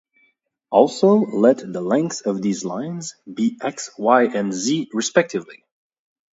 Also, let the lengths of these lines be x, y, and z, respectively.